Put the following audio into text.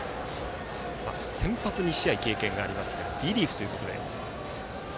先発２試合経験がありますがリリーフということで。